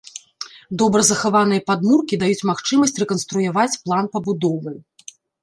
Добра захаваныя падмуркі даюць магчымасць рэканструяваць план пабудовы.